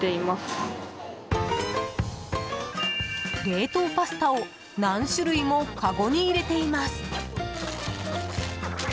冷凍パスタを何種類もかごに入れています。